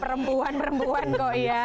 perempuan perempuan kok ya